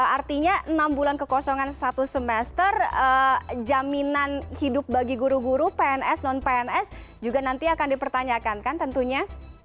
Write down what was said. artinya enam bulan kekosongan satu semester jaminan hidup bagi guru guru pns non pns juga nanti akan dipertanyakan kan tentunya